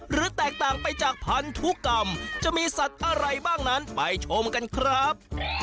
แตกต่างไปจากพันธุกรรมจะมีสัตว์อะไรบ้างนั้นไปชมกันครับ